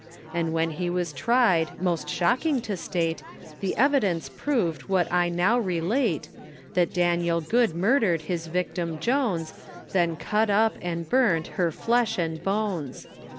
And when he was tried, most shocking to state, The evidence proved what I now relate, That Daniel Good murdered his victim Jones, Then cut up and burnt her flesh and bones.